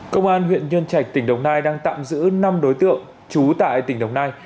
công an huyện nhân trạch tỉnh đồng nai đang tạm giữ năm đối tượng trú tại tỉnh đồng nai